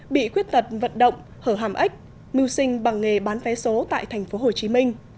bị khuyết tật vận động hở hàm ếch mưu sinh bằng nghề bán vé số tại thành phố hồ chí minh